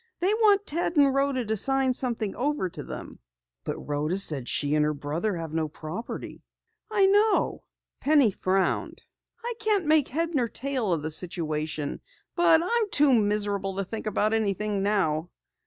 They want Ted and Rhoda to sign something over to them." "But Rhoda said she and her brother have no property." "I know," Penny frowned. "I can't make head nor tail of the situation. I'm too miserable to think about anything now."